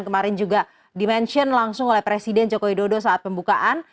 kemarin juga di mention langsung oleh presiden joko widodo saat pembukaan